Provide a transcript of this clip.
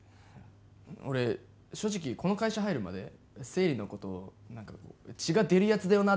俺、正直この会社入るまで生理のこと何か血が出るやつだよな